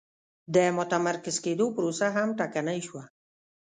د متمرکز کېدو پروسه هم ټکنۍ شوه.